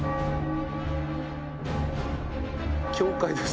教会です。